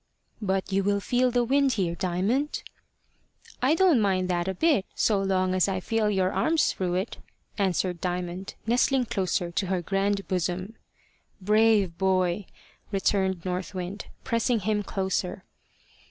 "But you will feel the wind here, Diamond." "I don't mind that a bit, so long as I feel your arms through it," answered Diamond, nestling closer to her grand bosom. "Brave boy!" returned North Wind, pressing him closer.